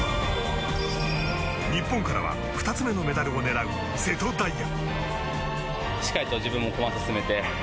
日本からは２つ目のメダルを狙う瀬戸大也。